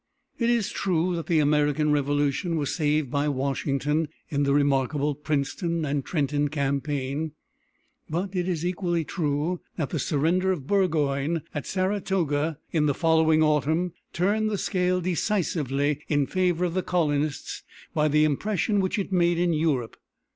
It is true that the American Revolution was saved by Washington in the remarkable Princeton and Trenton campaign, but it is equally true that the surrender of Burgoyne at Saratoga, in the following autumn, turned the scale decisively in favor of the colonists by the impression which it made in Europe.